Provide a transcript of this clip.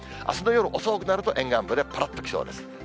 あすの夜遅くなると、沿岸部でぱらっときそうです。